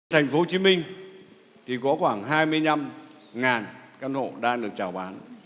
thành phố hồ chí minh thì có khoảng hai mươi năm căn hộ đang được trào bán